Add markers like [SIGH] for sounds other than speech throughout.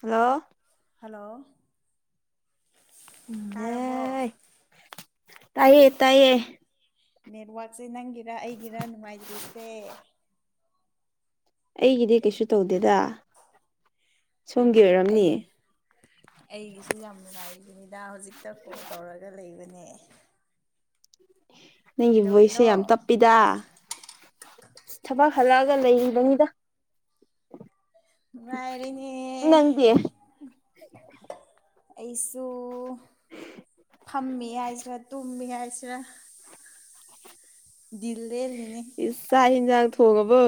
hello ꯑ ꯑꯦ ꯇꯌꯦ ꯇꯥꯏꯌꯦ ꯅꯦꯠꯋꯥꯛꯛꯁꯦ ꯅꯪꯒꯤꯔ ꯑꯩꯒꯤꯔ ꯅꯨꯡꯉꯥꯏꯇ꯭ꯔꯤꯁꯦ ꯑꯩꯒꯤꯗꯤ ꯀꯩꯁꯨ ꯇꯧꯗꯦꯗ ꯁꯣꯝꯒꯤ ꯑꯩꯒꯤ ꯑꯩ ꯑꯣꯏꯔꯝꯅꯤ ꯑꯩꯒꯤꯁꯨ ꯌꯥꯝ ꯅꯨꯡꯉꯥꯏ ꯅꯤꯗꯥ ꯍꯧꯖꯤꯛꯇ ꯀꯣꯜ ꯇꯧꯔꯒ ꯂꯩꯕꯅꯦ ꯅꯪꯒꯤ ꯚꯣꯏꯁꯁꯦ ꯀꯩꯗꯧꯔꯤꯅꯣ ꯌꯥꯝ ꯇꯞꯄꯤꯗ ꯊꯕꯛ ꯍꯜꯂꯛꯑꯒ ꯂꯩꯔꯤꯕꯅꯤꯗ ꯥꯏꯔꯤꯅꯦ ꯅꯪꯗꯤ ꯑꯩꯁꯨ ꯐꯝꯃꯤ ꯍꯥꯏꯁꯤꯔꯥ ꯇꯨꯝꯃꯤ ꯍꯥꯏꯁꯤꯔꯥ ꯜꯗꯦ ꯂꯩꯅꯦ ꯖꯒ ꯊ ꯍꯒꯕꯣ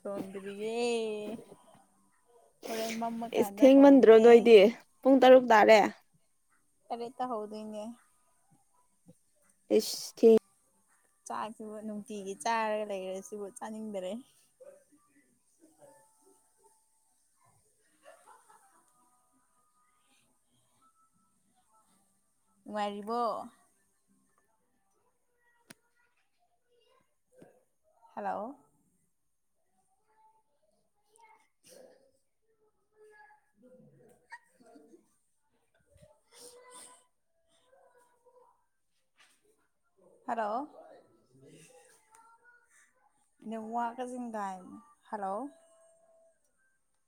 ꯇꯣꯗꯔꯤꯌꯦꯦ ꯍꯣꯔꯦꯟ ꯃꯃꯥ ꯏꯁ ꯀꯥꯟꯗ ꯊꯦꯡꯃꯟꯗ꯭ꯔꯣ ꯍꯧꯒꯦ ꯅꯣꯏꯗꯤ ꯄꯨꯡ ꯇꯔꯨꯛ ꯇꯥꯔꯦ ꯇꯔꯦꯇ ꯍꯧꯗꯣꯏꯅꯦꯦ ꯏꯁ ꯆꯥꯛꯁꯤꯕꯨ ꯅꯨꯡꯇꯤꯒꯤ ꯆꯥꯔ ꯂꯩꯈꯔꯦ ꯁꯤꯕꯨ ꯆꯥꯅꯤꯡꯗꯔꯦ ꯑ ꯉꯔꯤꯕ ꯍꯂꯣ ꯎ [UNINTELLIGIBLE] ꯍꯂꯣ ꯏ ꯋꯥ ꯀꯖꯤꯤꯡꯒꯥꯏ ꯍꯜꯂꯣ